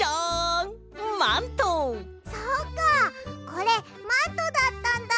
そっかこれマントだったんだ。